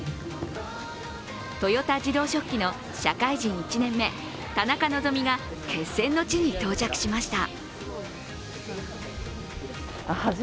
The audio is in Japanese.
豊田自動織機の社会人１年目田中希実が決戦の地に到着しました。